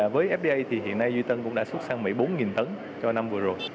với fda thì hiện nay duy tân cũng đã xuất sang mỹ bốn tấn cho năm vừa rồi